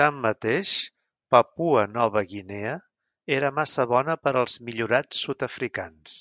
Tanmateix, Papua Nova Guinea era massa bona per als millorats sud-africans.